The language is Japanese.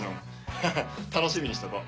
ハハッ楽しみにしとこう。